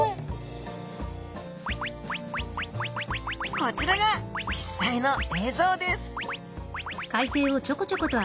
こちらが実際の映像です